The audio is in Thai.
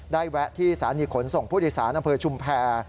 แวะที่สถานีขนส่งผู้โดยสารอำเภอชุมแพร